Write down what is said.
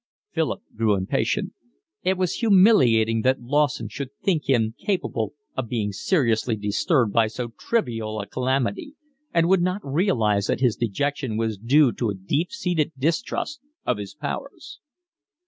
Philip grew impatient; it was humiliating that Lawson should think him capable of being seriously disturbed by so trivial a calamity and would not realise that his dejection was due to a deep seated distrust of his powers.